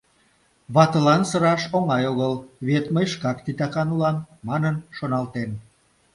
«Ватылан сыраш оҥай огыл, вет мый шкак титакан улам», — манын шоналтен.